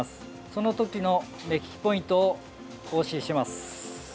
その時の目利きポイントをお教えします。